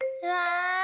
うわ